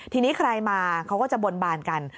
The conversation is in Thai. ทีนี้ใครมาเขาก็จะบนบานกัน